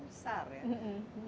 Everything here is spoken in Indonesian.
target yang begitu besar ya